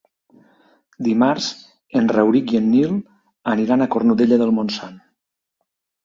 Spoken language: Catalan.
Dimarts en Rauric i en Nil aniran a Cornudella de Montsant.